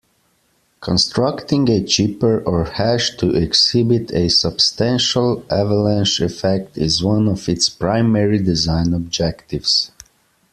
Constructing a cipher or hash to exhibit a substantial avalanche effect is one of its primary design objectives.